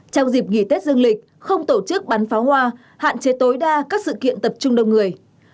trong dịp nghỉ tết dương lịch không tổ chức bắn pháo hoa hạn chế tối đa các sự kiện tập trung đông người